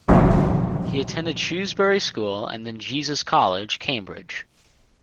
He attended Shrewsbury School and then Jesus College, Cambridge.